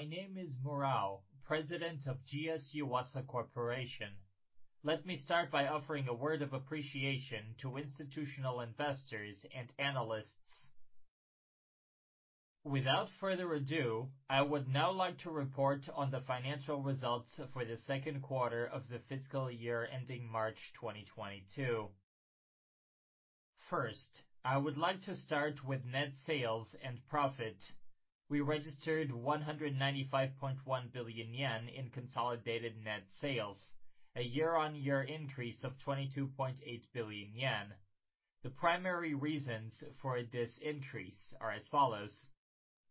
My name is Murao, President of GS Yuasa Corporation. Let me start by offering a word of appreciation to institutional investors and analysts. Without further ado, I would now like to report on the financial results for the second quarter of the fiscal year ending March 2022. First, I would like to start with net sales and profit. We registered 195.1 billion yen in consolidated net sales, a year-on-year increase of 22.8 billion yen. The primary reasons for this increase are as follows.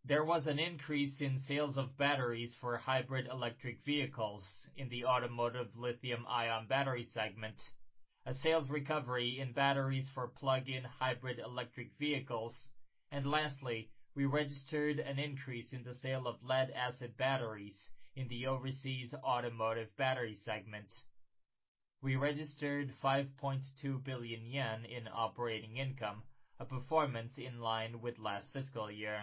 There was an increase in sales of batteries for hybrid electric vehicles in the Automotive Lithium-Ion Battery segment, a sales recovery in batteries for plug-in hybrid electric vehicles, and lastly, we registered an increase in the sale of lead-acid batteries in the Overseas Automotive Battery segment. We registered 5.2 billion yen in operating income, a performance in line with last fiscal year.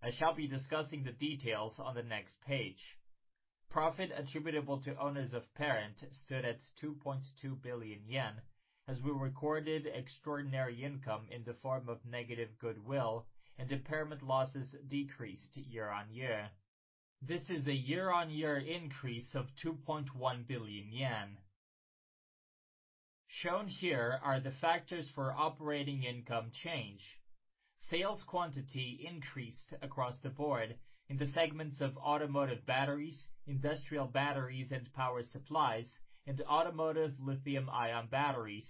I shall be discussing the details on the next page. Profit attributable to owners of parent stood at 2.2 billion yen as we recorded extraordinary income in the form of negative goodwill and impairment losses decreased year-on-year. This is a year-on-year increase of 2.1 billion yen. Shown here are the factors for operating income change. Sales quantity increased across the board in the segments of automotive batteries, industrial batteries, and power supplies, and automotive lithium-ion batteries.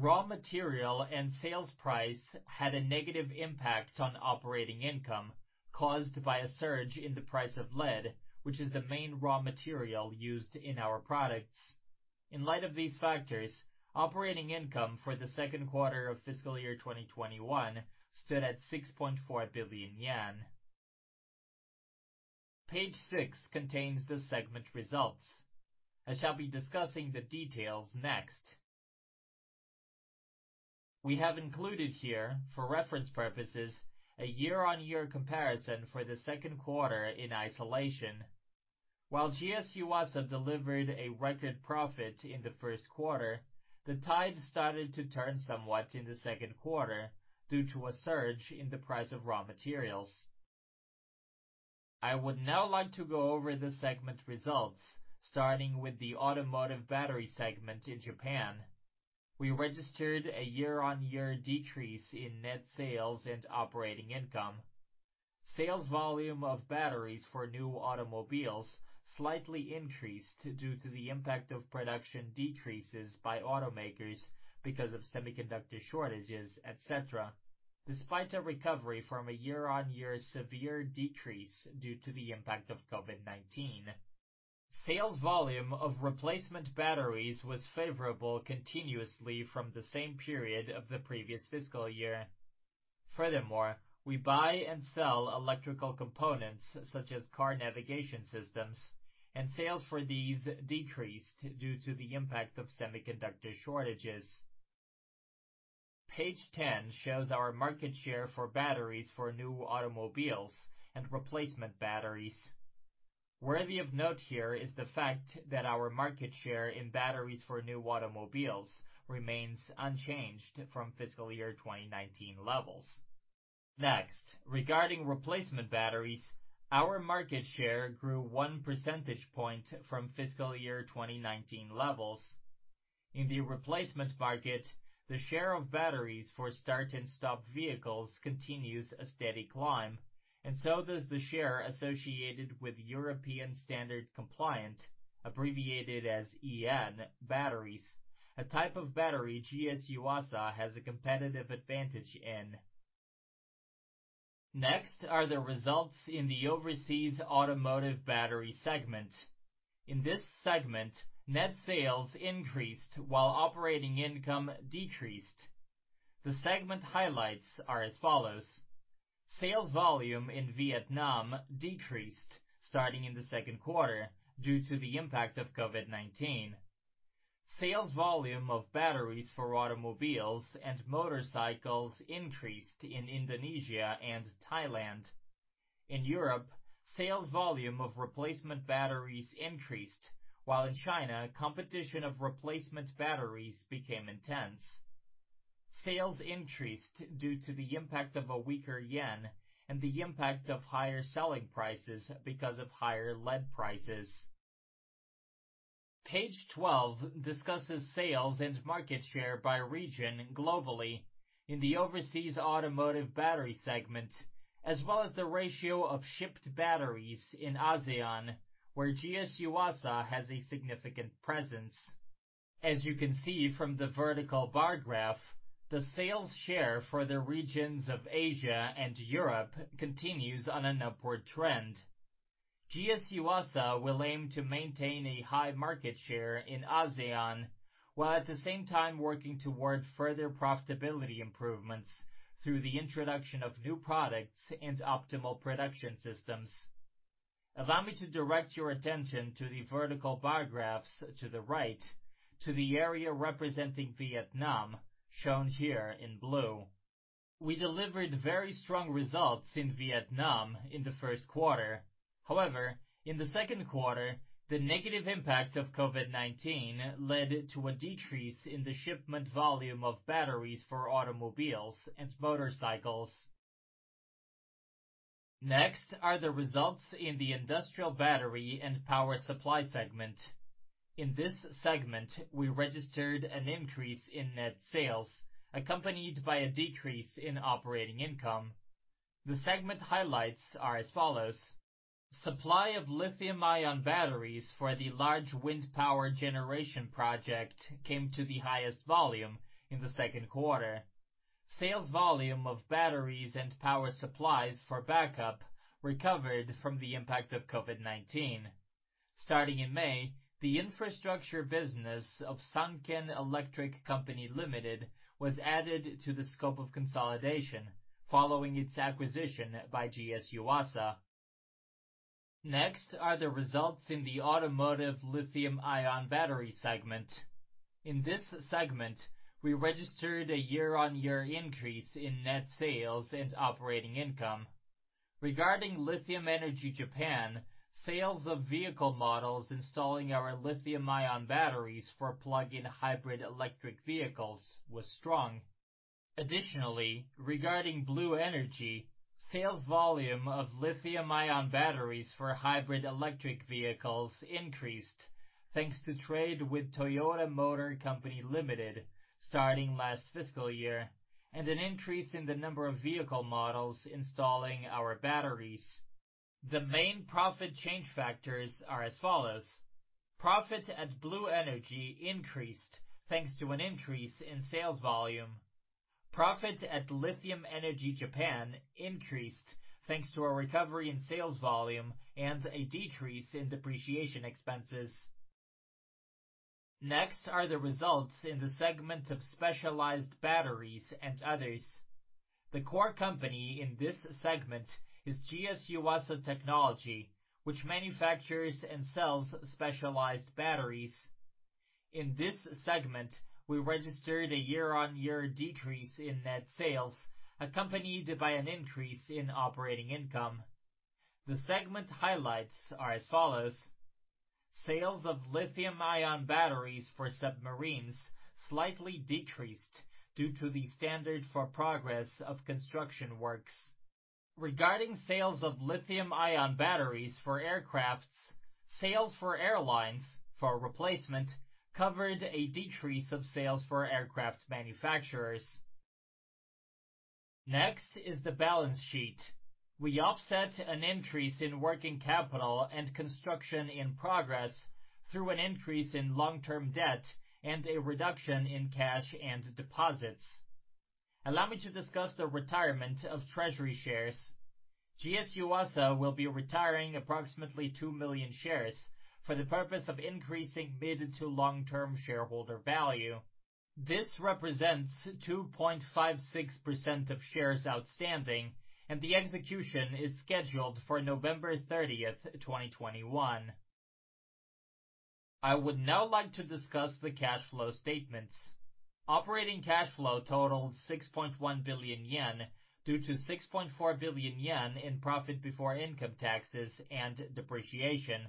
Raw material and sales price had a negative impact on operating income caused by a surge in the price of lead, which is the main raw material used in our products. In light of these factors, operating income for the second quarter of fiscal year 2021 stood at 6.4 billion yen. Page six contains the segment results. I shall be discussing the details next. We have included here, for reference purposes, a year-on-year comparison for the second quarter in isolation. While GS Yuasa delivered a record profit in the first quarter, the tide started to turn somewhat in the second quarter due to a surge in the price of raw materials. I would now like to go over the segment results, starting with the Automotive Battery segment in Japan. We registered a year-on-year decrease in net sales and operating income. Sales volume of batteries for new automobiles slightly increased due to the impact of production decreases by automakers because of semiconductor shortages, etc., despite a recovery from a year-on-year severe decrease due to the impact of COVID-19. Sales volume of replacement batteries was favorable continuously from the same period of the previous fiscal year end. Furthermore, we buy and sell electrical components such as car navigation systems, and sales for these decreased due to the impact of semiconductor shortages. Page 10 shows our market share for batteries for new automobiles and replacement batteries. Worthy of note here is the fact that our market share in batteries for new automobiles remains unchanged from fiscal year 2019 levels. Next, regarding replacement batteries, our market share grew 1 percentage point from fiscal year 2019 levels. In the replacement market, the share of batteries for start and stop vehicles continues a steady climb, and so does the share associated with European standard-compliant, abbreviated as EN batteries, a type of battery GS Yuasa has a competitive advantage in. Next are the results in the Overseas Automotive Battery segment. In this segment, net sales increased while operating income decreased. The segment highlights are as follows: Sales volume in Vietnam decreased starting in the second quarter due to the impact of COVID-19. Sales volume of batteries for automobiles and motorcycles increased in Indonesia and Thailand. In Europe, sales volume of replacement batteries increased, while in China, competition of replacement batteries became intense. Sales increased due to the impact of a weaker yen and the impact of higher selling prices because of higher lead prices. Page 12 discusses sales and market share by region globally in the Overseas Automotive Battery segment, as well as the ratio of shipped batteries in ASEAN, where GS Yuasa has a significant presence. As you can see from the vertical bar graph, the sales share for the regions of Asia and Europe continues on an upward trend. GS Yuasa will aim to maintain a high market share in ASEAN, while at the same time working toward further profitability improvements through the introduction of new products and optimal production systems. Allow me to direct your attention to the vertical bar graphs to the right to the area representing Vietnam, shown here in blue. We delivered very strong results in Vietnam in the first quarter. However, in the second quarter, the negative impact of COVID-19 led to a decrease in the shipment volume of batteries for automobiles and motorcycles. Next are the results in the Industrial Battery and Power Supply segment. In this segment, we registered an increase in net sales, accompanied by a decrease in operating income. The segment highlights are as follows: Supply of lithium-ion batteries for the large wind power generation project came to the highest volume in the second quarter. Sales volume of batteries and power supplies for backup recovered from the impact of COVID-19. Starting in May, the infrastructure business of Sanken Electric Co., Ltd. was added to the scope of consolidation following its acquisition by GS Yuasa. Next are the results in the Automotive Lithium-Ion Battery segment. In this segment, we registered a year-on-year increase in net sales and operating income. Regarding Lithium Energy Japan, sales of vehicle models installing our lithium-ion batteries for plug-in hybrid electric vehicles was strong. Additionally, regarding Blue Energy Co., Ltd., sales volume of lithium-ion batteries for hybrid electric vehicles increased, thanks to trade with Toyota Motor Corporation starting last fiscal year and an increase in the number of vehicle models installing our batteries. The main profit change factors are as follows. Profit at Blue Energy Co., Ltd. increased, thanks to an increase in sales volume. Profit at Lithium Energy Japan increased, thanks to a recovery in sales volume and a decrease in depreciation expenses. Next are the results in the segment of specialized batteries and others. The core company in this segment is GS Yuasa Technology, which manufactures and sells specialized batteries. In this segment, we registered a year-over-year decrease in net sales, accompanied by an increase in operating income. The segment highlights are as follows. Sales of lithium-ion batteries for submarines slightly decreased due to the standard for progress of construction works. Regarding sales of lithium-ion batteries for aircraft, sales for airlines for replacement covered a decrease of sales for aircraft manufacturers. Next is the balance sheet. We offset an increase in working capital and construction in progress through an increase in long-term debt and a reduction in cash and deposits. Allow me to discuss the retirement of treasury shares. GS Yuasa will be retiring approximately 2 million shares for the purpose of increasing mid- to long-term shareholder value. This represents 2.56% of shares outstanding, and the execution is scheduled for November 30, 2021. I would now like to discuss the cash flow statements. Operating cash flow totaled 6.1 billion yen due to 6.4 billion yen in profit before income taxes and depreciation.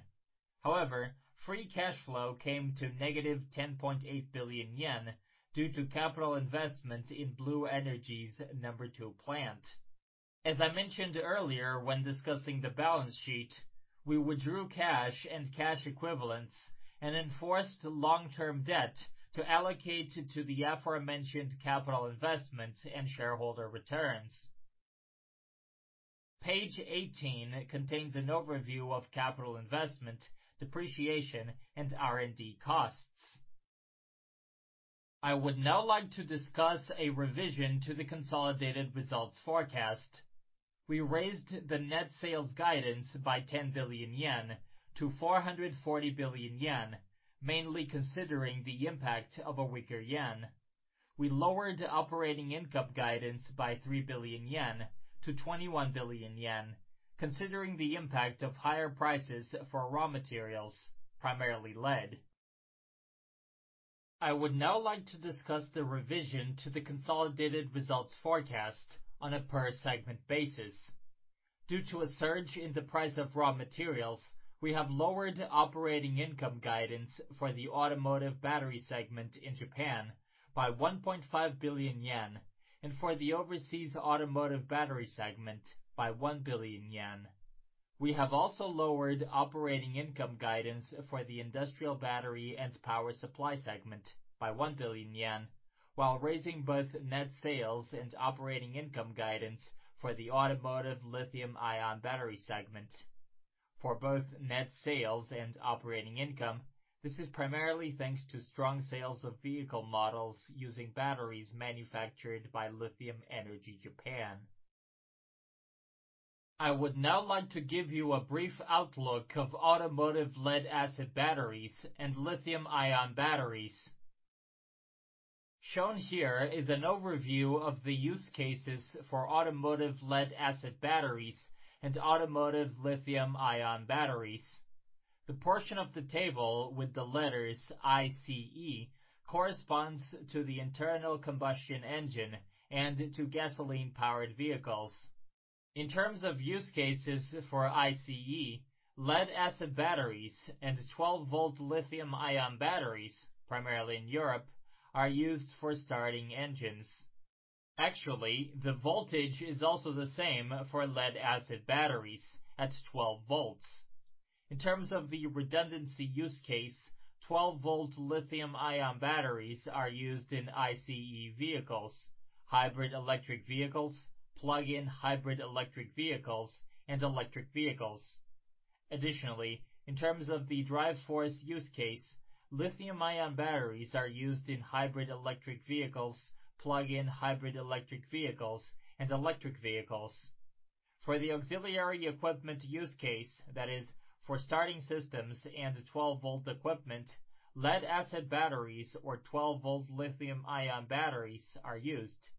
However, free cash flow came to -10.8 billion yen due to capital investment in Blue Energy's number 2 plant. As I mentioned earlier when discussing the balance sheet, we withdrew cash and cash equivalents and incurred long-term debt to allocate to the aforementioned capital investment and shareholder returns. Page 18 contains an overview of capital investment, depreciation, and R&D costs. I would now like to discuss a revision to the consolidated results forecast. We raised the net sales guidance by 10 billion-440 billion yen, mainly considering the impact of a weaker yen. We lowered operating income guidance by 3 billion-21 billion yen, considering the impact of higher prices for raw materials, primarily lead. I would now like to discuss the revision to the consolidated results forecast on a per segment basis. Due to a surge in the price of raw materials, we have lowered operating income guidance for the Automotive Battery segment in Japan by 1.5 billion yen and for the Overseas Automotive Battery segment by 1 billion yen. We have also lowered operating income guidance for the Industrial Battery and Power Supply segment by 1 billion yen while raising both net sales and operating income guidance for the Automotive Lithium-Ion Battery segment. For both net sales and operating income, this is primarily thanks to strong sales of vehicle models using batteries manufactured by Lithium Energy Japan. I would now like to give you a brief outlook of automotive lead-acid batteries and lithium-ion batteries. Shown here is an overview of the use cases for automotive lead-acid batteries and automotive lithium-ion batteries. The portion of the table with the letters ICE corresponds to the internal combustion engine and to gasoline-powered vehicles. In terms of use cases for ICE, lead-acid batteries and 12-volt lithium-ion batteries, primarily in Europe, are used for starting engines. Actually, the voltage is also the same for lead-acid batteries at 12 volts. In terms of the redundancy use case, 12-volt lithium-ion batteries are used in ICE vehicles, hybrid electric vehicles, plug-in hybrid electric vehicles, and electric vehicles. Additionally, in terms of the drive force use case, lithium-ion batteries are used in hybrid electric vehicles, plug-in hybrid electric vehicles, and electric vehicles. For the auxiliary equipment use case, that is for starting systems, and the 12-volt equipment, lead-acid batteries or 12-volt lithium-ion batteries are used.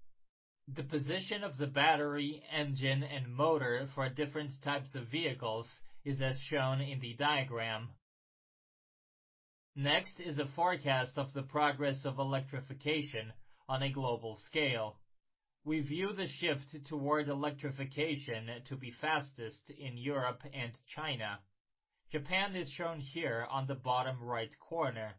The position of the battery, engine, and motor for different types of vehicles is as shown in the diagram. Next is a forecast of the progress of electrification on a global scale. We view the shift toward electrification to be fastest in Europe and China. Japan is shown here on the bottom right corner.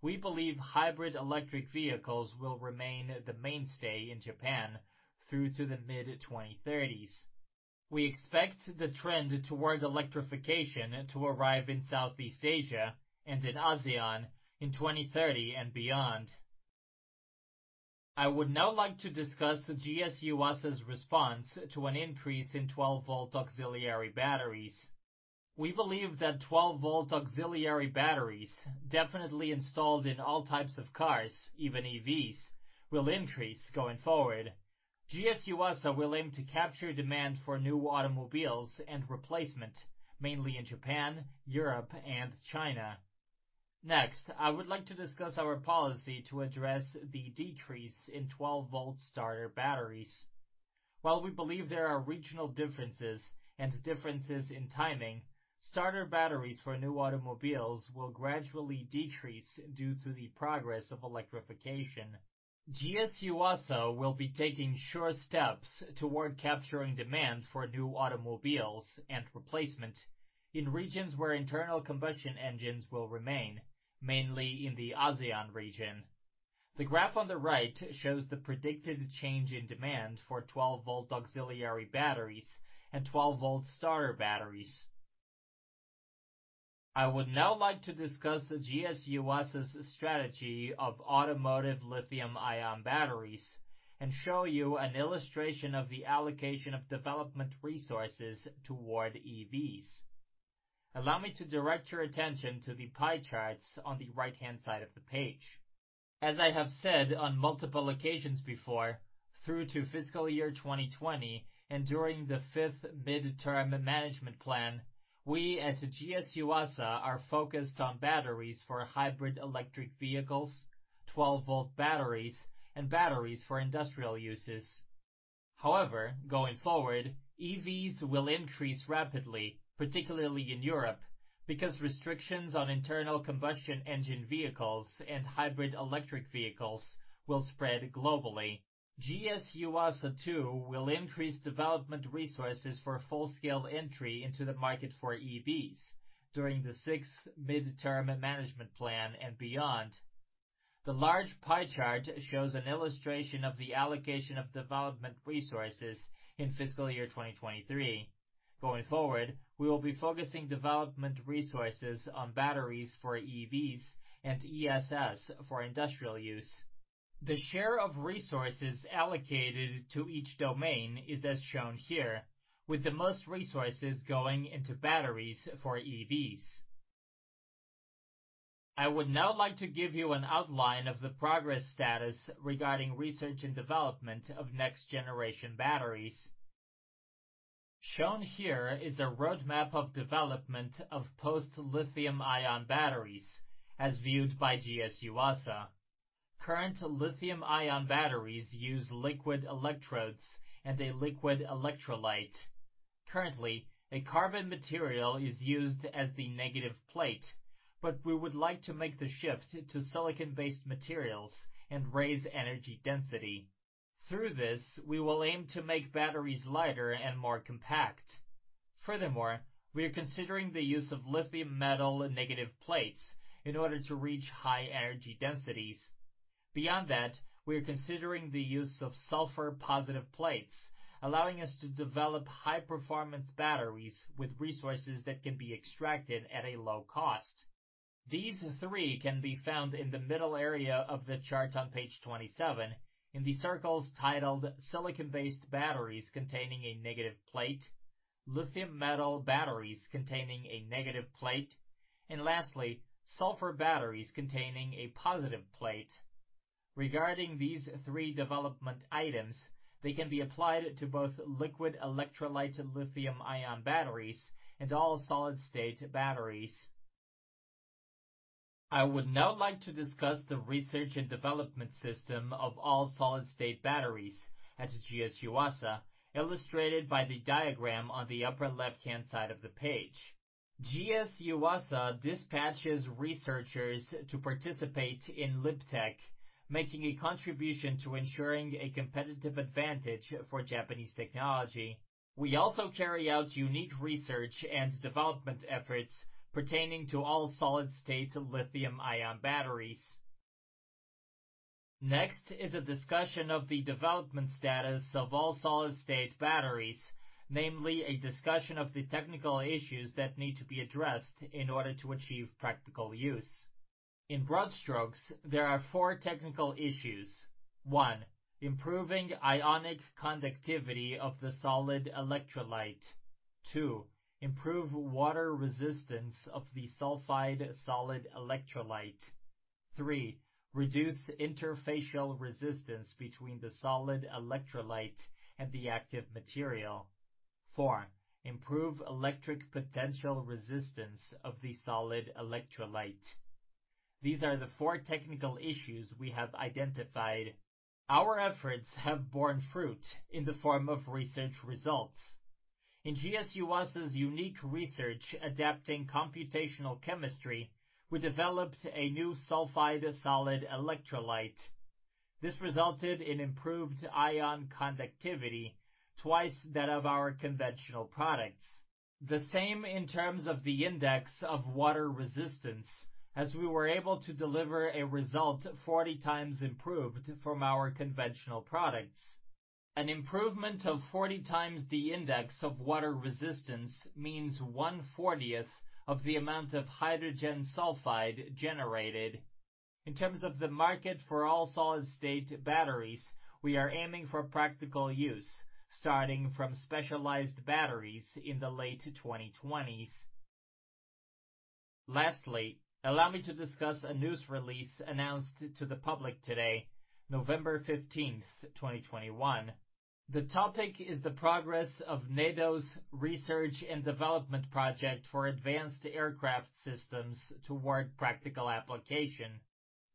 We believe hybrid electric vehicles will remain the mainstay in Japan through to the mid-2030s. We expect the trend toward electrification to arrive in Southeast Asia and in ASEAN in 2030 and beyond. I would now like to discuss the GS Yuasa's response to an increase in 12-volt auxiliary batteries. We believe that 12-volt auxiliary batteries definitely installed in all types of cars, even EVs, will increase going forward. GS Yuasa will aim to capture demand for new automobiles and replacement, mainly in Japan, Europe, and China. Next, I would like to discuss our policy to address the decrease in 12-volt starter batteries. While we believe there are regional differences and differences in timing, starter batteries for new automobiles will gradually decrease due to the progress of electrification. GS Yuasa will be taking sure steps toward capturing demand for new automobiles and replacement in regions where internal combustion engines will remain, mainly in the ASEAN region. The graph on the right shows the predicted change in demand for 12-volt auxiliary batteries and 12-volt starter batteries. I would now like to discuss GS Yuasa's strategy of automotive lithium-ion batteries and show you an illustration of the allocation of development resources toward EVs. Allow me to direct your attention to the pie charts on the right-hand side of the page. As I have said on multiple occasions before, through to fiscal year 2020 and during the fifth Midterm Management Plan, we at GS Yuasa are focused on batteries for hybrid electric vehicles, 12-volt batteries, and batteries for industrial uses. However, going forward, EVs will increase rapidly, particularly in Europe, because restrictions on internal combustion engine vehicles and hybrid electric vehicles will spread globally. GS Yuasa, too, will increase development resources for full-scale entry into the market for EVs during the sixth Midterm Management Plan and beyond. The large pie chart shows an illustration of the allocation of development resources in fiscal year 2023. Going forward, we will be focusing development resources on batteries for EVs and ESS for industrial use. The share of resources allocated to each domain is as shown here, with the most resources going into batteries for EVs. I would now like to give you an outline of the progress status regarding research and development of next-generation batteries. Shown here is a roadmap of development of post-lithium-ion batteries as viewed by GS Yuasa. Current lithium-ion batteries use liquid electrodes and a liquid electrolyte. Currently, a carbon material is used as the negative plate, but we would like to make the shift to silicon-based materials and raise energy density. Through this, we will aim to make batteries lighter and more compact. Furthermore, we are considering the use of lithium metal negative plates in order to reach high energy densities. Beyond that, we are considering the use of sulfur-positive plates, allowing us to develop high-performance batteries with resources that can be extracted at a low cost. These three can be found in the middle area of the chart on page 27 in the circles titled Silicon-Based Batteries Containing a Negative Plate, Lithium Metal Batteries Containing a Negative Plate, and lastly, Sulfur Batteries Containing a Positive Plate. Regarding these three development items, they can be applied to both liquid electrolyte lithium-ion batteries and all-solid-state batteries. I would now like to discuss the research and development system of all-solid-state batteries at GS Yuasa, illustrated by the diagram on the upper left-hand side of the page. GS Yuasa dispatches researchers to participate in LIBTEC, making a contribution to ensuring a competitive advantage for Japanese technology. We also carry out unique research and development efforts pertaining to all-solid-state lithium-ion batteries. Next is a discussion of the development status of all-solid-state batteries, namely a discussion of the technical issues that need to be addressed in order to achieve practical use. In broad strokes, there are four technical issues. One, improving ionic conductivity of the solid electrolyte. Two, improve water resistance of the sulfide solid electrolyte. Three, reduce interfacial resistance between the solid electrolyte and the active material. Four, improve electric potential resistance of the solid electrolyte. These are the four technical issues we have identified. Our efforts have borne fruit in the form of research results. In GS Yuasa's unique research adapting computational chemistry, we developed a new sulfide solid electrolyte. This resulted in improved ion conductivity, twice that of our conventional products. The same in terms of the index of water resistance, as we were able to deliver a result forty times improved from our conventional products. An improvement of 40 times the index of water resistance means 1/40th of the amount of hydrogen sulfide generated. In terms of the market for all-solid-state batteries, we are aiming for practical use, starting from specialized batteries in the late 2020s. Lastly, allow me to discuss a news release announced to the public today, November 15, 2021. The topic is the progress of NEDO's research and development project for advanced aircraft systems toward practical application.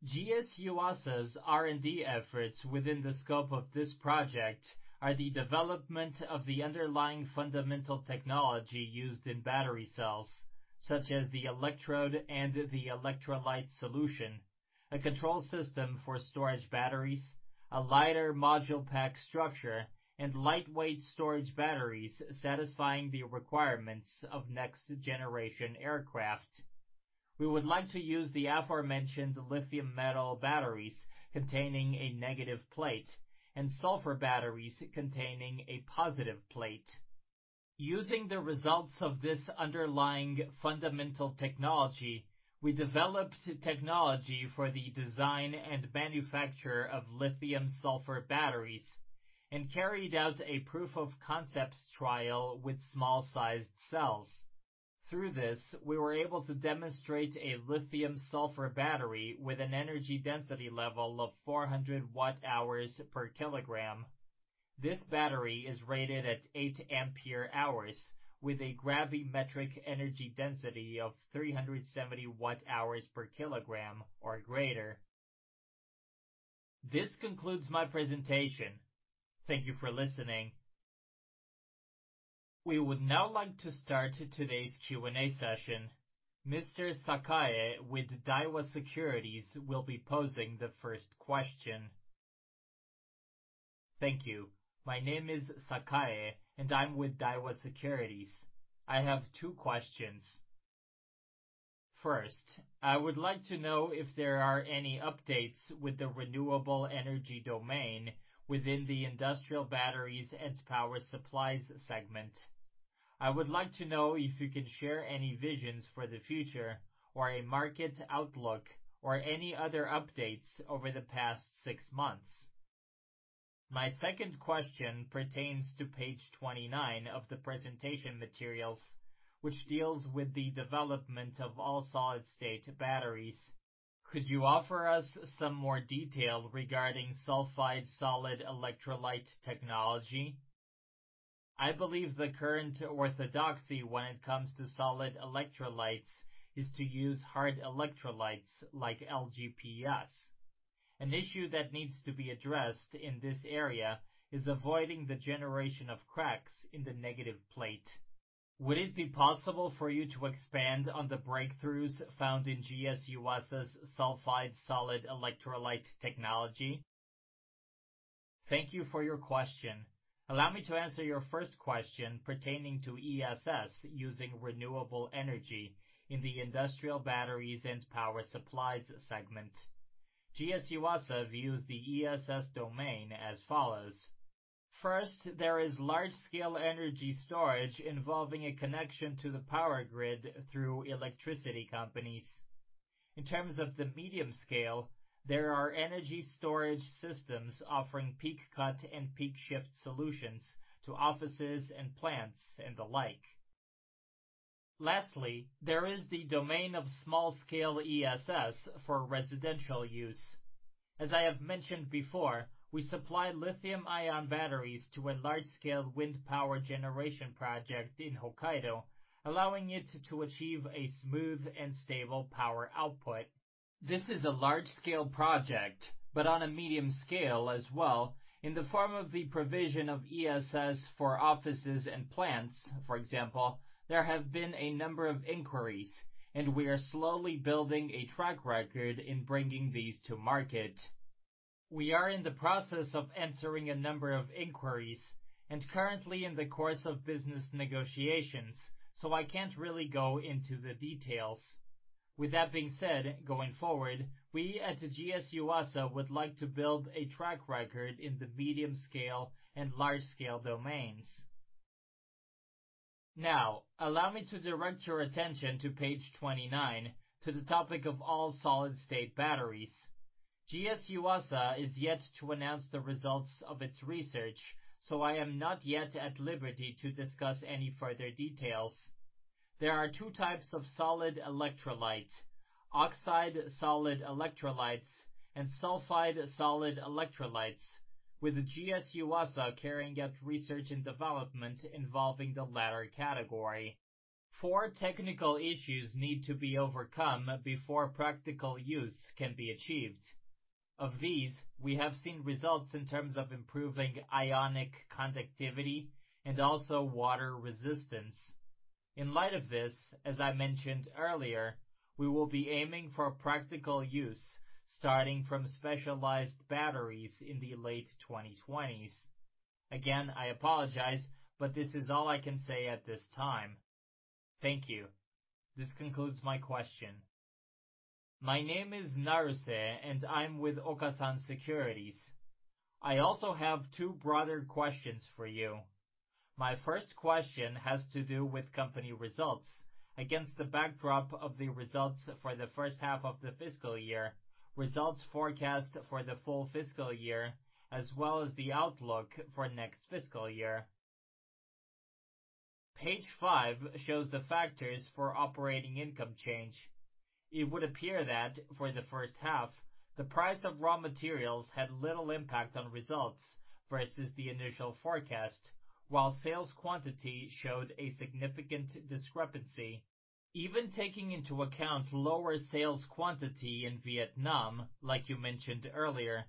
GS Yuasa's R&D efforts within the scope of this project are the development of the underlying fundamental technology used in battery cells, such as the electrode and the electrolyte solution, a control system for storage batteries, a lighter module pack structure, and lightweight storage batteries satisfying the requirements of next-generation aircraft. We would like to use the aforementioned lithium metal batteries with a negative plate and sulfur batteries with a positive plate. Using the results of this underlying fundamental technology, we developed technology for the design and manufacture of lithium-sulfur batteries and carried out a proof of concepts trial with small-sized cells. Through this, we were able to demonstrate a lithium-sulfur battery with an energy density level of 400 watt-hours per kilogram. This battery is rated at 8 ampere-hours with a gravimetric energy density of 370 watt-hours per kilogram or greater. This concludes my presentation. Thank you for listening. We would now like to start today's Q&A session. Mr. Sakae with Daiwa Securities will be posing the first question. Thank you. My name is Sakae, and I'm with Daiwa Securities. I have two questions. First, I would like to know if there are any updates with the renewable energy domain within the Industrial Batteries and Power Supplies segment. I would like to know if you can share any visions for the future or a market outlook or any other updates over the past six months. My second question pertains to page 29 of the presentation materials, which deals with the development of all-solid-state batteries. Could you offer us some more detail regarding sulfide solid electrolyte technology? I believe the current orthodoxy when it comes to solid electrolytes is to use hard electrolytes like LGPS. An issue that needs to be addressed in this area is avoiding the generation of cracks in the negative plate. Would it be possible for you to expand on the breakthroughs found in GS Yuasa's sulfide solid electrolyte technology? Thank you for your question. Allow me to answer your first question pertaining to ESS using renewable energy in the Industrial Batteries and Power Supplies segment. GS Yuasa views the ESS domain as follows. First, there is large-scale energy storage involving a connection to the power grid through electricity companies. In terms of the medium scale, there are energy storage systems offering peak cut and peak shift solutions to offices and plants and the like. Lastly, there is the domain of small-scale ESS for residential use. As I have mentioned before, we supply lithium-ion batteries to a large-scale wind power generation project in Hokkaido, allowing it to achieve a smooth and stable power output. This is a large-scale project, but on a medium scale as well in the form of the provision of ESS for offices and plants, for example, there have been a number of inquiries, and we are slowly building a track record in bringing these to market. We are in the process of answering a number of inquiries and currently in the course of business negotiations, so I can't really go into the details. With that being said, going forward, we at GS Yuasa would like to build a track record in the medium scale and large scale domains. Now, allow me to direct your attention to page 29, to the topic of all-solid-state batteries. GS Yuasa is yet to announce the results of its research, so I am not yet at liberty to discuss any further details. There are two types of solid electrolyte: oxide solid electrolytes and sulfide solid electrolytes, with GS Yuasa carrying out research and development involving the latter category. Four technical issues need to be overcome before practical use can be achieved. Of these, we have seen results in terms of improving ionic conductivity and also water resistance. In light of this, as I mentioned earlier, we will be aiming for practical use starting from specialized batteries in the late 2020s. Again, I apologize, but this is all I can say at this time. Thank you. This concludes my question. My name is Naruse, and I'm with Okasan Securities. I also have two broader questions for you. My first question has to do with company results against the backdrop of the results for the first half of the fiscal year, results forecast for the full fiscal year, as well as the outlook for next fiscal year. Page five shows the factors for operating income change. It would appear that for the first half, the price of raw materials had little impact on results versus the initial forecast. While sales quantity showed a significant discrepancy. Even taking into account lower sales quantity in Vietnam, like you mentioned earlier,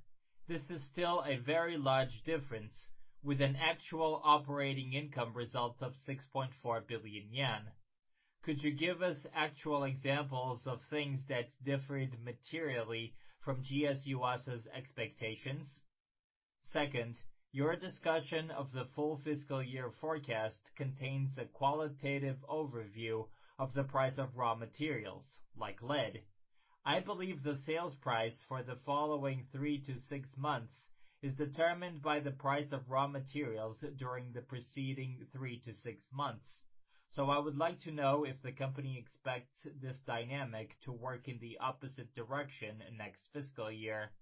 this is still a very large difference with an actual operating income result of 6.4 billion yen. Could you give us actual examples of things that differed materially from GS Yuasa's expectations? Second, your discussion of the full fiscal year forecast contains a qualitative overview of the price of raw materials like lead. I believe the sales price for the following three to six months is determined by the price of raw materials during the preceding three to six months. I would like to know if the company expects this dynamic to work in the opposite direction next fiscal year.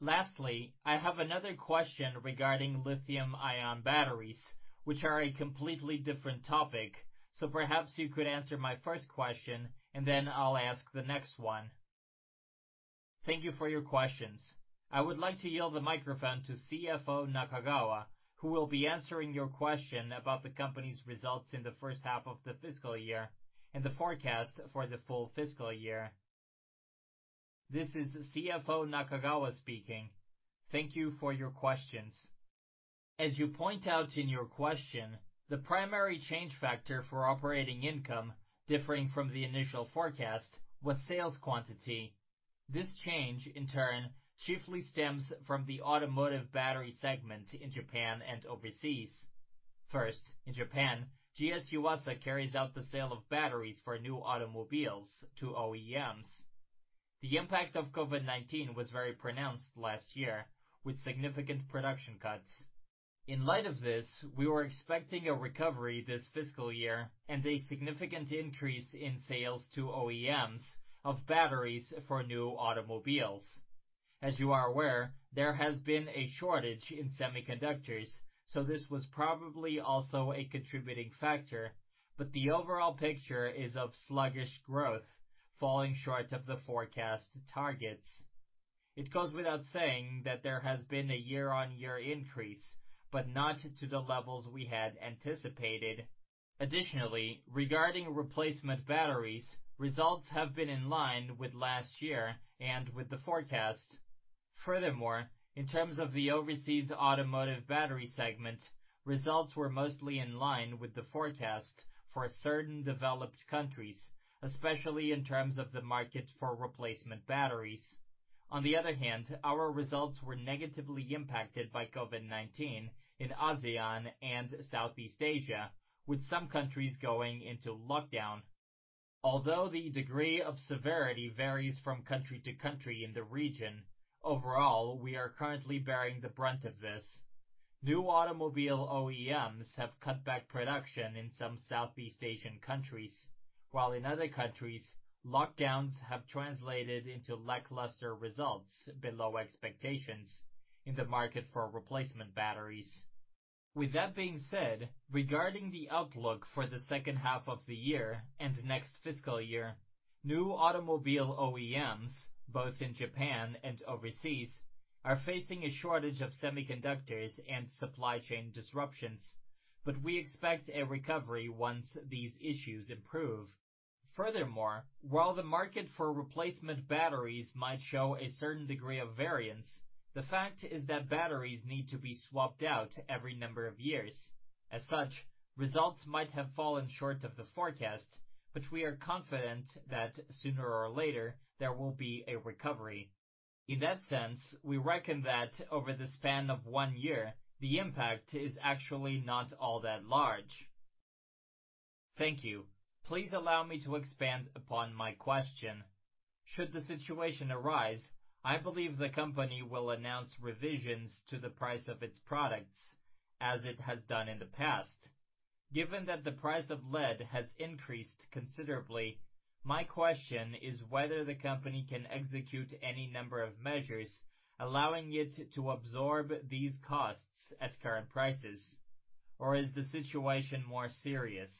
Lastly, I have another question regarding lithium-ion batteries, which are a completely different topic, so perhaps you could answer my first question, and then I'll ask the next one. Thank you for your questions. I would like to yield the microphone to CFO Nakagawa, who will be answering your question about the company's results in the first half of the fiscal year and the forecast for the full fiscal year. This is CFO Nakagawa speaking. Thank you for your questions. As you point out in your question, the primary change factor for operating income differing from the initial forecast was sales quantity. This change, in turn, chiefly stems from the Automotive Battery segment in Japan and overseas. First, in Japan, GS Yuasa carries out the sale of batteries for new automobiles to OEMs. The impact of COVID-19 was very pronounced last year, with significant production cuts. In light of this, we were expecting a recovery this fiscal year and a significant increase in sales to OEMs of batteries for new automobiles. As you are aware, there has been a shortage in semiconductors, so this was probably also a contributing factor. The overall picture is of sluggish growth falling short of the forecast targets. It goes without saying that there has been a year-on-year increase, but not to the levels we had anticipated. Additionally, regarding replacement batteries, results have been in line with last year and with the forecast. Furthermore, in terms of the Overseas Automotive Battery segment, results were mostly in line with the forecast for certain developed countries, especially in terms of the market for replacement batteries. On the other hand, our results were negatively impacted by COVID-19 in ASEAN and Southeast Asia, with some countries going into lockdown. Although the degree of severity varies from country-to-country in the region, overall, we are currently bearing the brunt of this. New automobile OEMs have cut back production in some Southeast Asian countries, while in other countries, lockdowns have translated into lackluster results below expectations in the market for replacement batteries. With that being said, regarding the outlook for the second half of the year and next fiscal year, new automobile OEMs, both in Japan and overseas, are facing a shortage of semiconductors and supply chain disruptions, but we expect a recovery once these issues improve. Furthermore, while the market for replacement batteries might show a certain degree of variance, the fact is that batteries need to be swapped out every number of years. As such, results might have fallen short of the forecast, but we are confident that sooner or later there will be a recovery. In that sense, we reckon that over the span of one year, the impact is actually not all that large. Thank you. Please allow me to expand upon my question. Should the situation arise, I believe the company will announce revisions to the price of its products as it has done in the past. Given that the price of lead has increased considerably, my question is whether the company can execute any number of measures allowing it to absorb these costs at current prices, or is the situation more serious?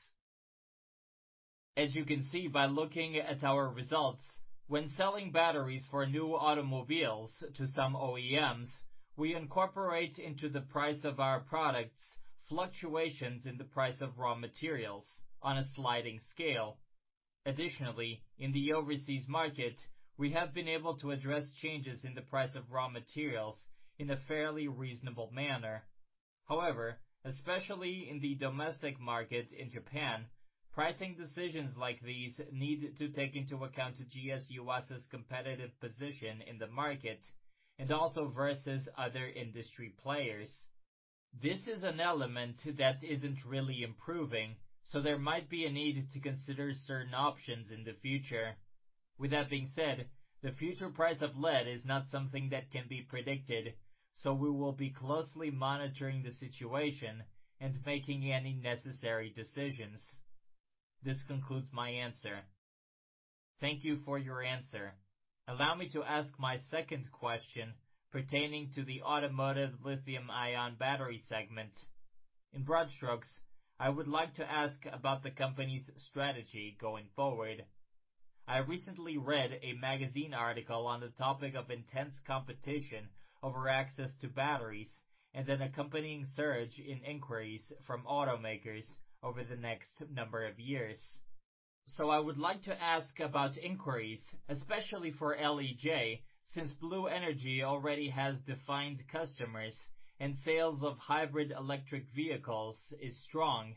As you can see by looking at our results, when selling batteries for new automobiles to some OEMs, we incorporate into the price of our products fluctuations in the price of raw materials on a sliding scale. Additionally, in the overseas market, we have been able to address changes in the price of raw materials in a fairly reasonable manner. However, especially in the domestic market in Japan, pricing decisions like these need to take into account GS Yuasa's competitive position in the market and also versus other industry players. This is an element that isn't really improving, so there might be a need to consider certain options in the future. With that being said, the future price of lead is not something that can be predicted, so we will be closely monitoring the situation and making any necessary decisions. This concludes my answer. Thank you for your answer. Allow me to ask my second question pertaining to the Automotive Lithium-Ion Battery Segment. In broad strokes, I would like to ask about the company's strategy going forward. I recently read a magazine article on the topic of intense competition over access to batteries and an accompanying surge in inquiries from automakers over the next number of years. I would like to ask about inquiries, especially for LEJ, since Blue Energy already has defined customers and sales of hybrid electric vehicles is strong.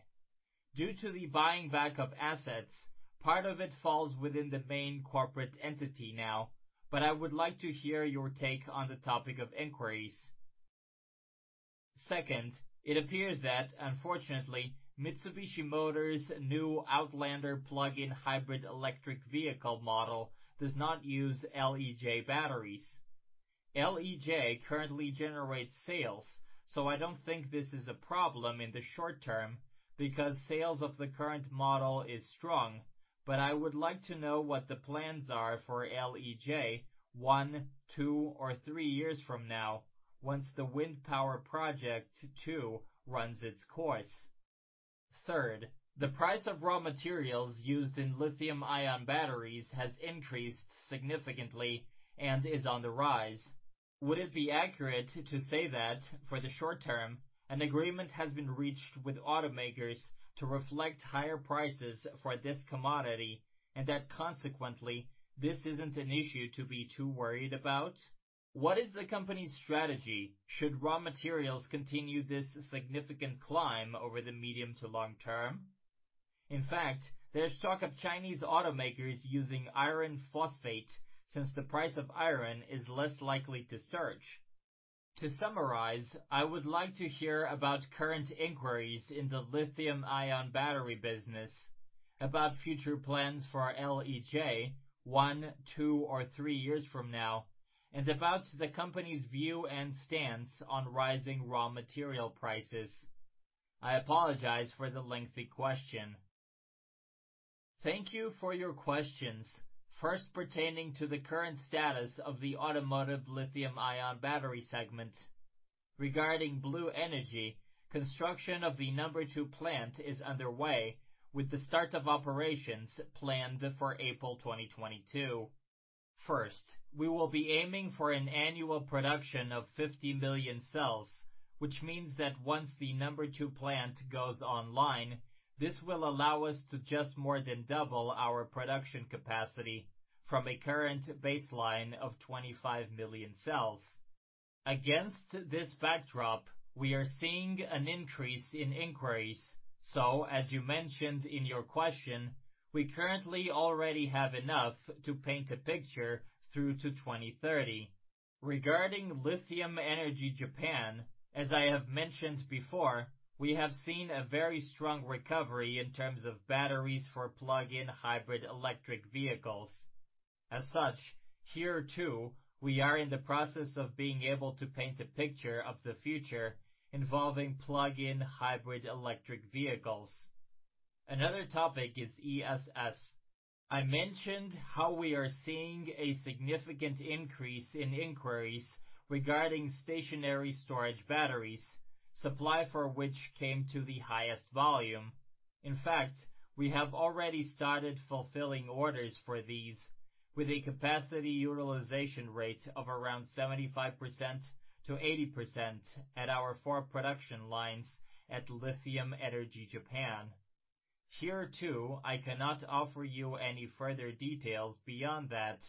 Due to the buying back of assets, part of it falls within the main corporate entity now, but I would like to hear your take on the topic of inquiries. Second, it appears that unfortunately, Mitsubishi Motors' new Outlander plug-in hybrid electric vehicle model does not use LEJ batteries. LEJ currently generates sales, so I don't think this is a problem in the short term because sales of the current model is strong. I would like to know what the plans are for LEJ one, two, or three years from now once the wind power project two runs its course. Third, the price of raw materials used in lithium-ion batteries has increased significantly and is on the rise. Would it be accurate to say that for the short term, an agreement has been reached with automakers to reflect higher prices for this commodity, and that consequently, this isn't an issue to be too worried about? What is the company's strategy should raw materials continue this significant climb over the medium to long term? In fact, there's talk of Chinese automakers using iron phosphate since the price of iron is less likely to surge. To summarize, I would like to hear about current inquiries in the lithium-ion battery business, about future plans for LEJ one, two, or three years from now, and about the company's view and stance on rising raw material prices. I apologize for the lengthy question. Thank you for your questions. First, pertaining to the current status of the Automotive Lithium-Ion Battery segment. Regarding Blue Energy, construction of the number two plant is underway with the start of operations planned for April 2022. First, we will be aiming for an annual production of 50 million cells, which means that once the number two plant goes online, this will allow us to just more than double our production capacity from a current baseline of 25 million cells. Against this backdrop, we are seeing an increase in inquiries. As you mentioned in your question, we currently already have enough to paint a picture through to 2030. Regarding Lithium Energy Japan, as I have mentioned before, we have seen a very strong recovery in terms of batteries for plug-in hybrid electric vehicles. As such, here too, we are in the process of being able to paint a picture of the future involving plug-in hybrid electric vehicles. Another topic is ESS. I mentioned how we are seeing a significant increase in inquiries regarding stationary storage batteries, supply for which came to the highest volume. In fact, we have already started fulfilling orders for these with a capacity utilization rate of around 75%-80% at our four production lines at Lithium Energy Japan. Here, too, I cannot offer you any further details beyond that,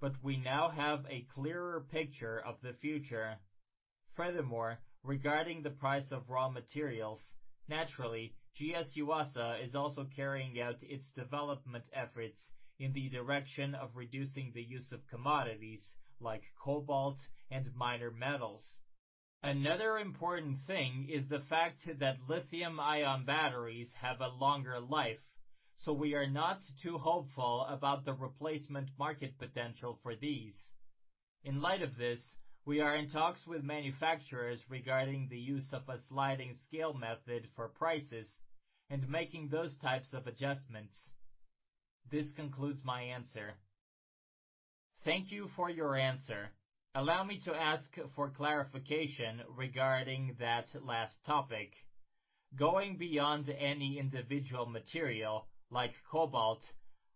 but we now have a clearer picture of the future. Furthermore, regarding the price of raw materials, naturally, GS Yuasa is also carrying out its development efforts in the direction of reducing the use of commodities like cobalt and minor metals. Another important thing is the fact that lithium-ion batteries have a longer life, so we are not too hopeful about the replacement market potential for these. In light of this, we are in talks with manufacturers regarding the use of a sliding scale method for prices and making those types of adjustments. This concludes my answer. Thank you for your answer. Allow me to ask for clarification regarding that last topic. Going beyond any individual material like cobalt,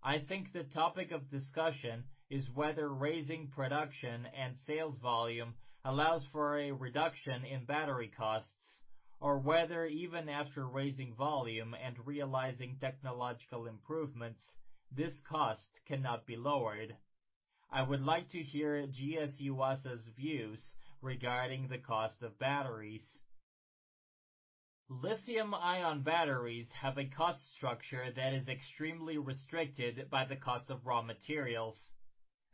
I think the topic of discussion is whether raising production and sales volume allows for a reduction in battery costs, or whether even after raising volume and realizing technological improvements, this cost cannot be lowered. I would like to hear GS Yuasa's views regarding the cost of batteries. Lithium-ion batteries have a cost structure that is extremely restricted by the cost of raw materials.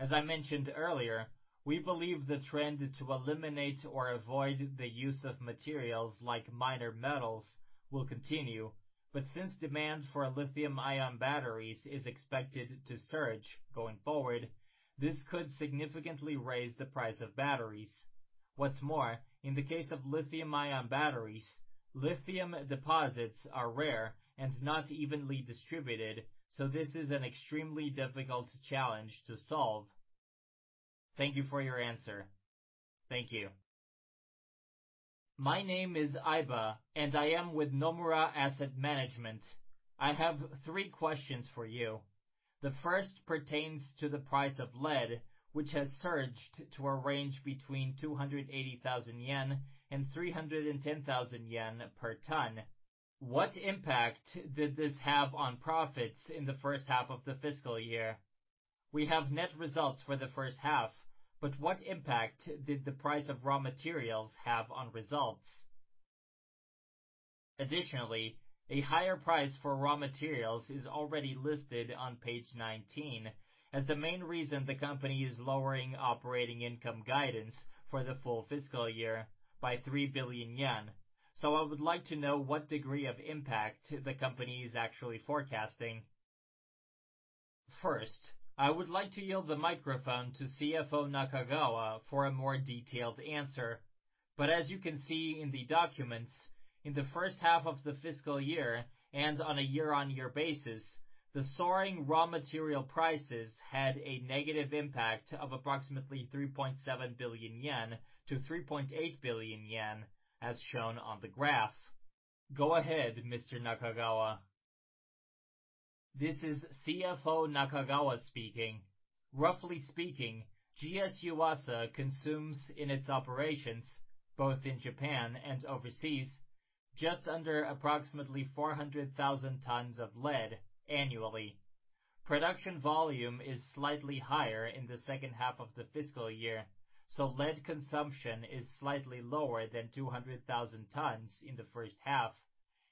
As I mentioned earlier, we believe the trend to eliminate or avoid the use of materials like minor metals will continue. Since demand for lithium-ion batteries is expected to surge going forward, this could significantly raise the price of batteries. What's more, in the case of lithium-ion batteries, lithium deposits are rare and not evenly distributed, so this is an extremely difficult challenge to solve. Thank you for your answer. Thank you. My name is Aiva, and I am with Nomura Asset Management. I have three questions for you. The first pertains to the price of lead, which has surged to a range between 280,000 yen and 310,000 yen per ton. What impact did this have on profits in the first half of the fiscal year? We have net results for the first half, but what impact did the price of raw materials have on results? Additionally, a higher price for raw materials is already listed on page 19 as the main reason the company is lowering operating income guidance for the full fiscal year by 3 billion yen. I would like to know what degree of impact the company is actually forecasting. First, I would like to yield the microphone to CFO Nakagawa for a more detailed answer. As you can see in the documents, in the first half of the fiscal year and on a year-on-year basis, the soaring raw material prices had a negative impact of approximately 3.7 billion-3.8 billion yen, as shown on the graph. Go ahead, Mr. Nakagawa. This is CFO Nakagawa speaking. Roughly speaking, GS Yuasa consumes in its operations, both in Japan and overseas, just under approximately 400,000 tons of lead annually. Production volume is slightly higher in the second half of the fiscal year, so lead consumption is slightly lower than 200,000 tons in the first half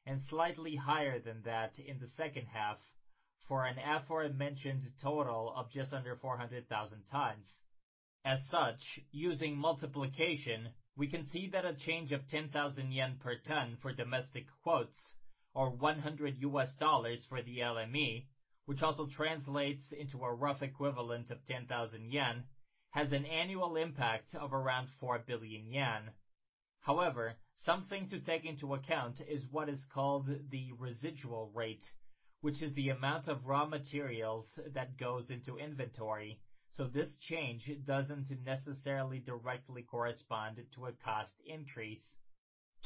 and slightly higher than that in the second half for an aforementioned total of just under 400,000 tons. As such, using multiplication, we can see that a change of 10,000 yen per ton for domestic quotes or $100 for the LME, which also translates into a rough equivalent of 10,000 yen, has an annual impact of around 4 billion yen. However, something to take into account is what is called the residual rate, which is the amount of raw materials that goes into inventory. This change doesn't necessarily directly correspond to a cost increase.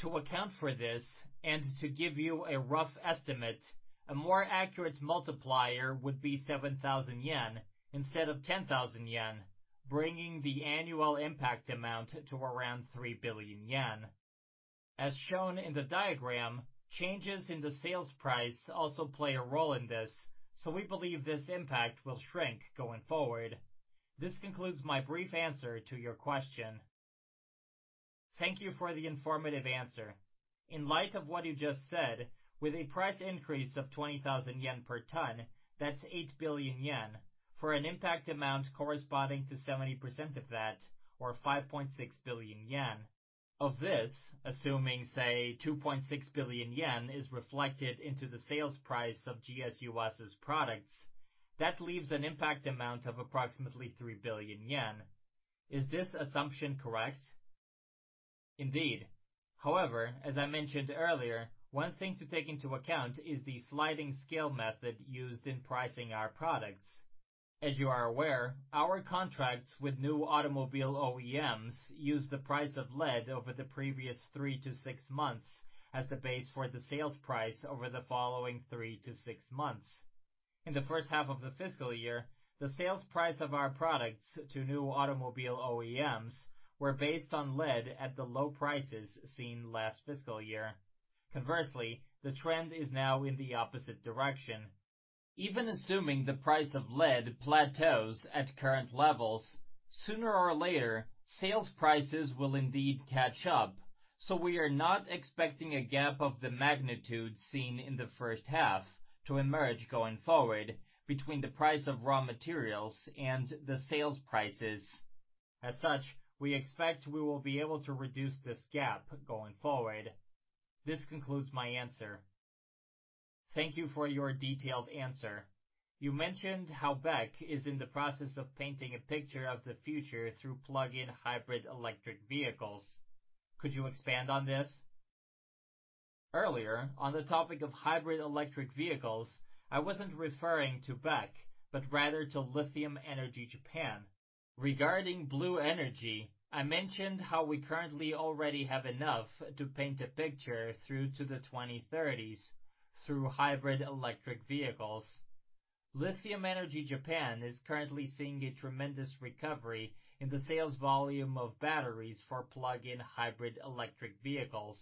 To account for this and to give you a rough estimate, a more accurate multiplier would be 7,000 yen instead of 10,000 yen, bringing the annual impact amount to around 3 billion yen. As shown in the diagram, changes in the sales price also play a role in this, so we believe this impact will shrink going forward. This concludes my brief answer to your question. Thank you for the informative answer. In light of what you just said, with a price increase of 20,000 yen per ton, that's 8 billion yen for an impact amount corresponding to 70% of that, or 5.6 billion yen. Of this, assuming, say, 2.6 billion yen is reflected into the sales price of GS Yuasa's products, that leaves an impact amount of approximately 3 billion yen. Is this assumption correct? Indeed. However, as I mentioned earlier, one thing to take into account is the sliding scale method used in pricing our products. As you are aware, our contracts with new automobile OEMs use the price of lead over the previous three-six months as the base for the sales price over the following three-six months. In the first half of the fiscal year, the sales price of our products to new automobile OEMs were based on lead at the low prices seen last fiscal year. Conversely, the trend is now in the opposite direction. Even assuming the price of lead plateaus at current levels, sooner or later, sales prices will indeed catch up. So we are not expecting a gap of the magnitude seen in the first half to emerge going forward between the price of raw materials and the sales prices. As such, we expect we will be able to reduce this gap going forward. This concludes my answer. Thank you for your detailed answer. You mentioned how BEC is in the process of painting a picture of the future through plug-in hybrid electric vehicles. Could you expand on this? Earlier, on the topic of hybrid electric vehicles, I wasn't referring to BEC, but rather to Lithium Energy Japan. Regarding Blue Energy, I mentioned how we currently already have enough to paint a picture through to the 2030s through hybrid electric vehicles. Lithium Energy Japan is currently seeing a tremendous recovery in the sales volume of batteries for plug-in hybrid electric vehicles.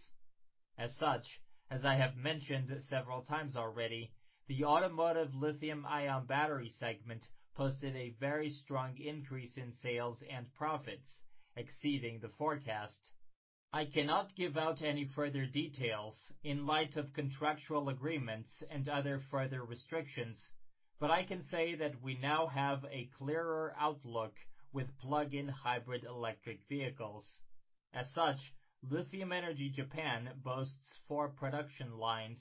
As such, as I have mentioned several times already, the Automotive Lithium-Ion Battery segment posted a very strong increase in sales and profits, exceeding the forecast. I cannot give out any further details in light of contractual agreements and other further restrictions, but I can say that we now have a clearer outlook with plug-in hybrid electric vehicles. As such, Lithium Energy Japan boasts four production lines,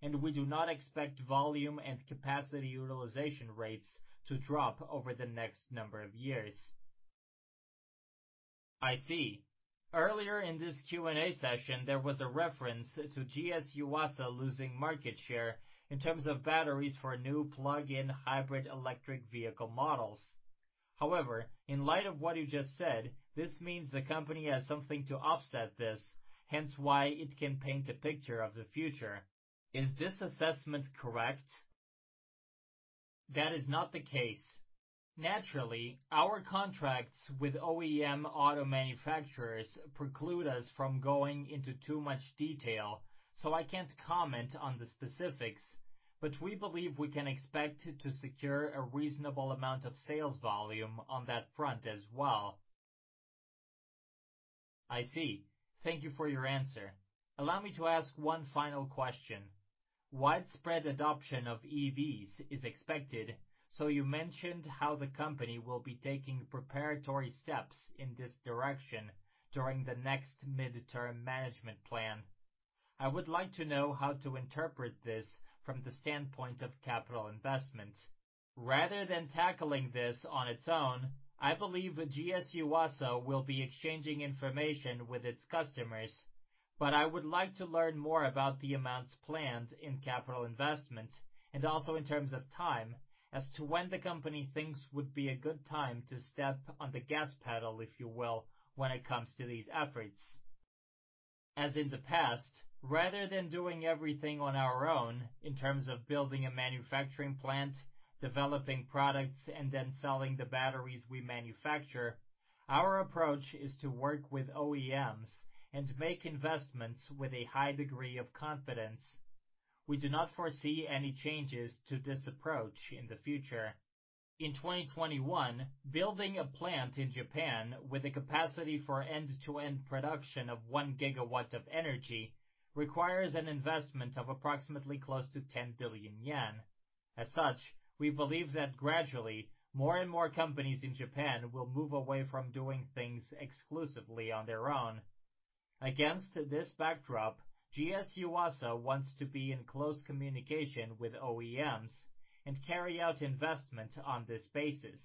and we do not expect volume and capacity utilization rates to drop over the next number of years. I see. Earlier in this Q&A session, there was a reference to GS Yuasa losing market share in terms of batteries for new plug-in hybrid electric vehicle models. However, in light of what you just said, this means the company has something to offset this, hence why it can paint a picture of the future. Is this assessment correct? That is not the case. Naturally, our contracts with OEM auto manufacturers preclude us from going into too much detail, so I can't comment on the specifics, but we believe we can expect to secure a reasonable amount of sales volume on that front as well. I see. Thank you for your answer. Allow me to ask one final question. Widespread adoption of EVs is expected, so you mentioned how the company will be taking preparatory steps in this direction during the next Midterm Management Plan. I would like to know how to interpret this from the standpoint of capital investment. Rather than tackling this on its own, I believe GS Yuasa will be exchanging information with its customers. I would like to learn more about the amounts planned in capital investment, and also in terms of time as to when the company thinks would be a good time to step on the gas pedal, if you will, when it comes to these efforts. In the past, rather than doing everything on our own in terms of building a manufacturing plant, developing products, and then selling the batteries we manufacture, our approach is to work with OEMs and make investments with a high degree of confidence. We do not foresee any changes to this approach in the future. In 2021, building a plant in Japan with a capacity for end-to-end production of 1 GW of energy requires an investment of approximately close to 10 billion yen. As such, we believe that gradually, more and more companies in Japan will move away from doing things exclusively on their own. Against this backdrop, GS Yuasa wants to be in close communication with OEMs and carry out investment on this basis.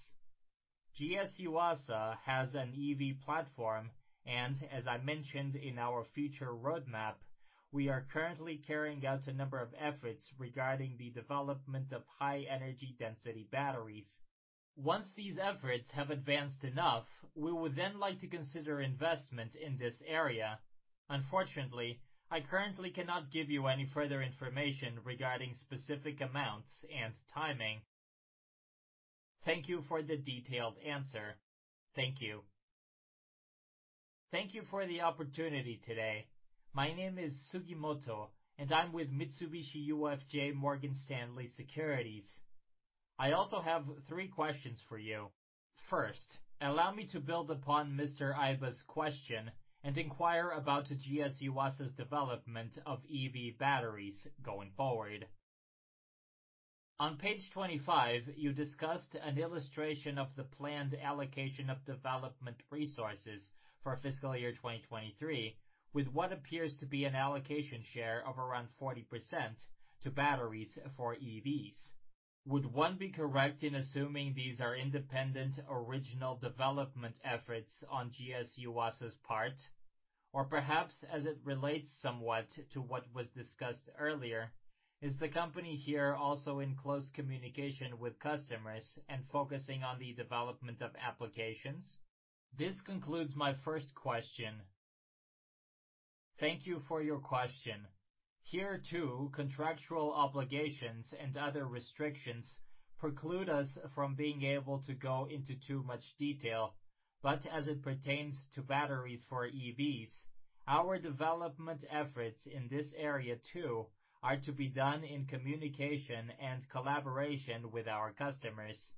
GS Yuasa has an EV platform, and as I mentioned in our future roadmap, we are currently carrying out a number of efforts regarding the development of high-energy density batteries. Once these efforts have advanced enough, we would then like to consider investment in this area. Unfortunately, I currently cannot give you any further information regarding specific amounts and timing. Thank you for the detailed answer. Thank you. Thank you for the opportunity today. My name is Sugimoto, and I'm with Mitsubishi UFJ Morgan Stanley Securities. I also have three questions for you. First, allow me to build upon Mr. Aiba's question and inquiry about GS Yuasa's development of EV batteries going forward. On page 25, you discussed an illustration of the planned allocation of development resources for FY 2023, with what appears to be an allocation share of around 40% to batteries for EVs. Would one be correct in assuming these are independent original development efforts on GS Yuasa's part? Or perhaps as it relates somewhat to what was discussed earlier, is the company here also in close communication with customers and focusing on the development of applications? This concludes my first question. Thank you for your question. Here too, contractual obligations and other restrictions preclude us from being able to go into too much detail. As it pertains to batteries for EVs, our development efforts in this area too are to be done in communication and collaboration with our customers.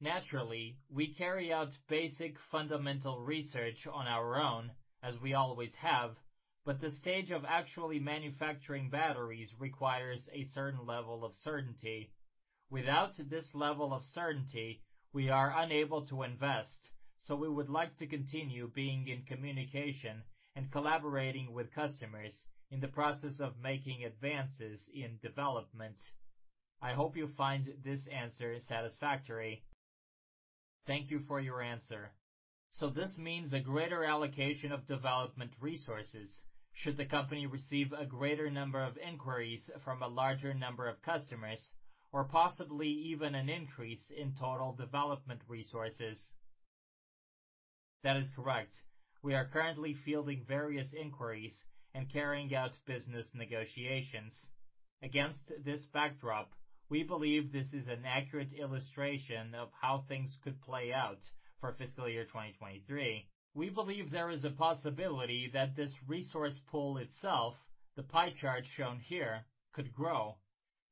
Naturally, we carry out basic fundamental research on our own, as we always have, but the stage of actually manufacturing batteries requires a certain level of certainty. Without this level of certainty, we are unable to invest, so we would like to continue being in communication and collaborating with customers in the process of making advances in development. I hope you find this answer satisfactory. Thank you for your answer. This means a greater allocation of development resources should the company receive a greater number of inquiries from a larger number of customers or possibly even an increase in total development resources. That is correct. We are currently fielding various inquiries and carrying out business negotiations. Against this backdrop, we believe this is an accurate illustration of how things could play out for fiscal year 2023. We believe there is a possibility that this resource pool itself, the pie chart shown here, could grow.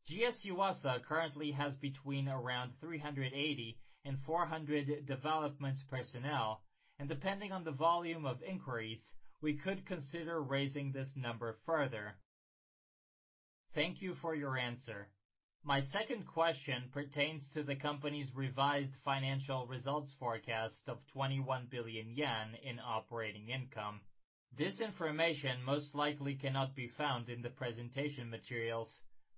GS Yuasa currently has between around 380 and 400 development personnel, and depending on the volume of inquiries, we could consider raising this number further. Thank you for your answer. My second question pertains to the company's revised financial results forecast of 21 billion yen in operating income. This information most likely cannot be found in the presentation materials,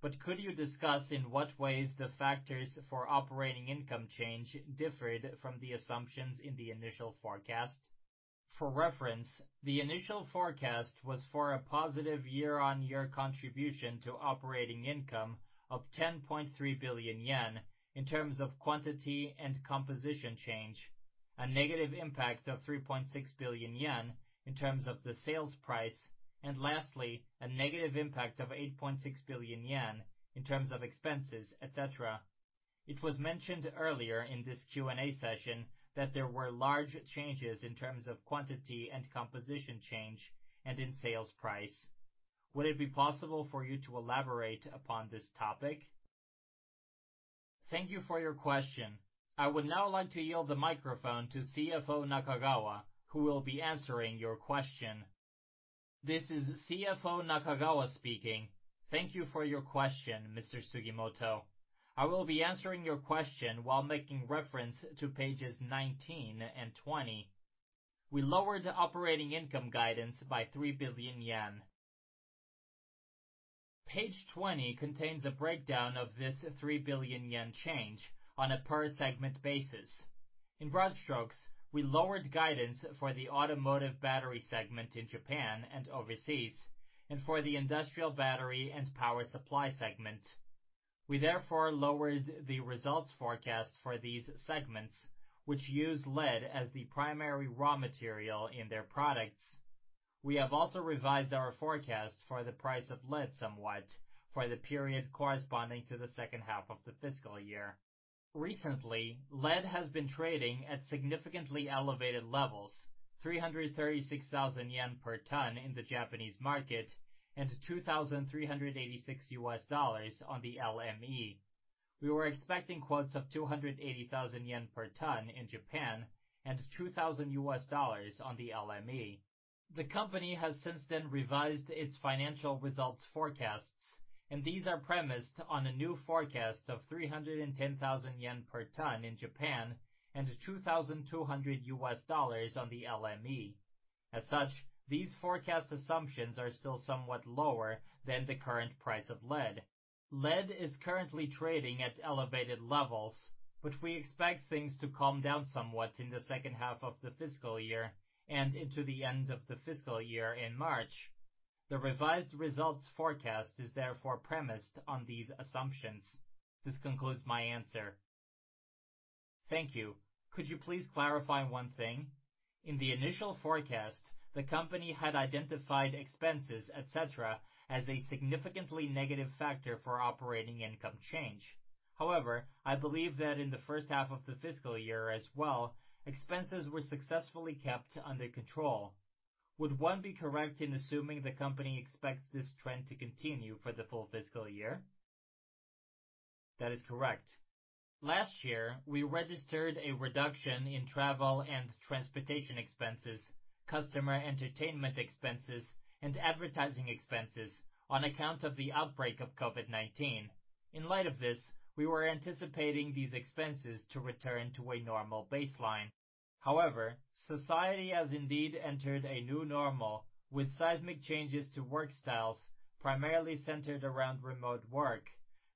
but could you discuss in what ways the factors for operating income change differed from the assumptions in the initial forecast? For reference, the initial forecast was for a positive year-on-year contribution to operating income of 10.3 billion yen in terms of quantity and composition change, a negative impact of 3.6 billion yen in terms of the sales price, and lastly, a negative impact of 8.6 billion yen in terms of expenses, etc. It was mentioned earlier in this Q&A session that there were large changes in terms of quantity and composition change and in sales price. Would it be possible for you to elaborate upon this topic? Thank you for your question. I would now like to yield the microphone to CFO Nakagawa, who will be answering your question. This is CFO Nakagawa speaking. Thank you for your question, Mr. Sugimoto. I will be answering your question while making reference to pages 19 and 20. We lowered operating income guidance by 3 billion yen. Page 20 contains a breakdown of this 3 billion yen change on a per segment basis. In broad strokes, we lowered guidance for the Automotive Battery segment in Japan and overseas and for the Industrial Battery and Power Supply segment. We therefore lowered the results forecast for these segments, which use lead as the primary raw material in their products. We have also revised our forecast for the price of lead somewhat for the period corresponding to the second half of the fiscal year. Recently, lead has been trading at significantly elevated levels, 336,000 yen per ton in the Japanese market and $2,386 on the LME. We were expecting quotes of 280,000 yen per ton in Japan and $2,000 on the LME. The company has since then revised its financial results forecasts, and these are premised on a new forecast of 310,000 yen per ton in Japan and $2,200 on the LME. As such, these forecast assumptions are still somewhat lower than the current price of lead. Lead is currently trading at elevated levels, but we expect things to calm down somewhat in the second half of the fiscal year and into the end of the fiscal year in March. The revised results forecast is therefore premised on these assumptions. This concludes my answer. Thank you. Could you please clarify one thing? In the initial forecast, the company had identified expenses, etc., as a significantly negative factor for operating income change. However, I believe that in the first half of the fiscal year as well, expenses were successfully kept under control. Would one be correct in assuming the company expects this trend to continue for the full fiscal year? That is correct. Last year, we registered a reduction in travel and transportation expenses, customer entertainment expenses, and advertising expenses on account of the outbreak of COVID-19. In light of this, we were anticipating these expenses to return to a normal baseline. However, society has indeed entered a new normal with seismic changes to work styles, primarily centered around remote work,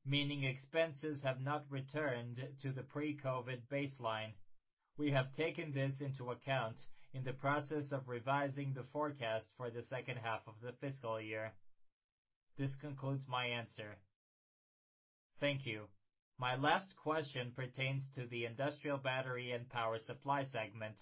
meaning expenses have not returned to the pre-COVID baseline. We have taken this into account in the process of revising the forecast for the second half of the fiscal year. This concludes my answer. Thank you. My last question pertains to the Industrial Battery and Power Supply segment.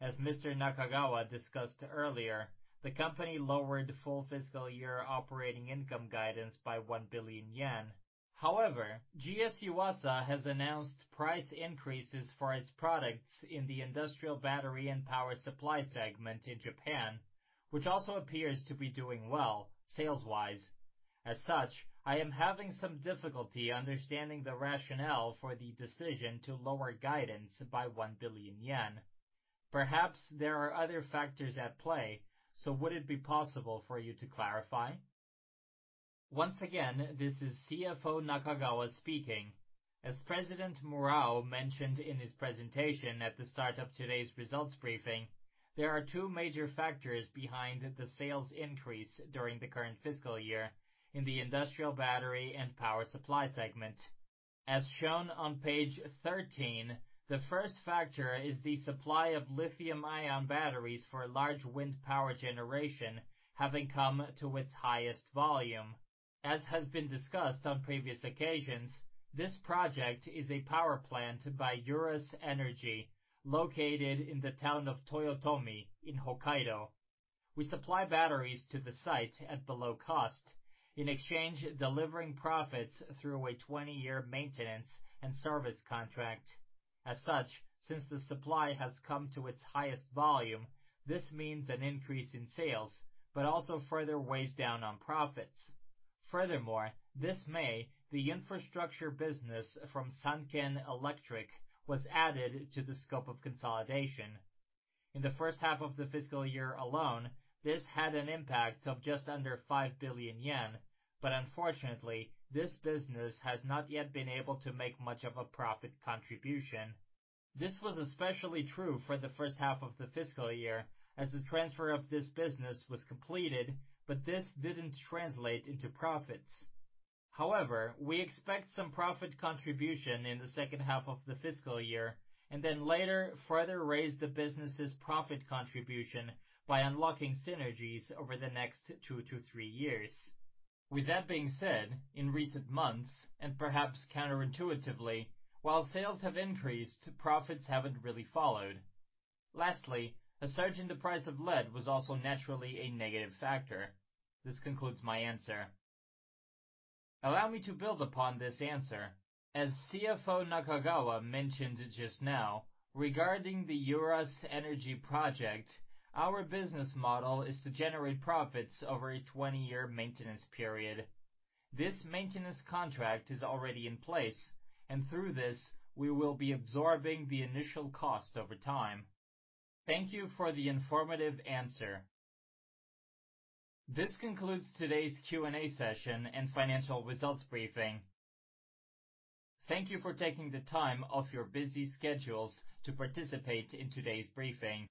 As Mr. Nakagawa discussed earlier, the company lowered full fiscal year operating income guidance by 1 billion yen. However, GS Yuasa has announced price increases for its products in the Industrial Battery and Power Supply segment in Japan, which also appears to be doing well sales-wise. As such, I am having some difficulty understanding the rationale for the decision to lower guidance by 1 billion yen. Perhaps there are other factors at play, so would it be possible for you to clarify? Once again, this is CFO Nakagawa speaking. As President Murao mentioned in his presentation at the start of today's results briefing, there are two major factors behind the sales increase during the current fiscal year in the Industrial Battery and Power Supply segment. As shown on page 13, the first factor is the supply of lithium-ion batteries for large wind power generation having come to its highest volume. As has been discussed on previous occasions, this project is a power plant by Eurus Energy, located in the town of Toyotomi in Hokkaido. We supply batteries to the site at below cost, in exchange delivering profits through a 20-year maintenance and service contract. As such, since the supply has come to its highest volume, this means an increase in sales, but also further weighs down on profits. Furthermore, this May, the infrastructure business from Sanken Electric was added to the scope of consolidation. In the first half of the fiscal year alone, this had an impact of just under 5 billion yen. Unfortunately, this business has not yet been able to make much of a profit contribution. This was especially true for the first half of the fiscal year, as the transfer of this business was completed, but this didn't translate into profits. However, we expect some profit contribution in the second half of the fiscal year, and then later further raise the business's profit contribution by unlocking synergies over the next two-three years. With that being said, in recent months, and perhaps counterintuitively, while sales have increased, profits haven't really followed. Lastly, a surge in the price of lead was also naturally a negative factor. This concludes my answer. Allow me to build upon this answer. As CFO Nakagawa mentioned just now, regarding the Eurus Energy project, our business model is to generate profits over a 20-year maintenance period. This maintenance contract is already in place, and through this, we will be absorbing the initial cost over time. Thank you for the informative answer. This concludes today's Q&A session and financial results briefing. Thank you for taking the time off your busy schedules to participate in today's briefing.